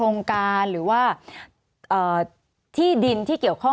สวัสดีครับทุกคน